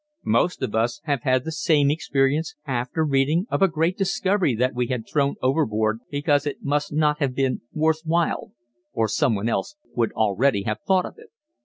Most of us have had the same experience after reading of a great discovery that we had thrown overboard because it must not have been "worth while" or someone else would already have thought of it.